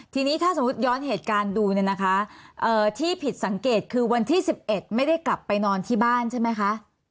ทีนี้ถ้าสมมุติย้อนเหตุการณ์ดูเนี่ยนะคะที่ผิดสังเกตคือวันที่๑๑ไม่ได้กลับไปนอนที่บ้านใช่ไหมคะ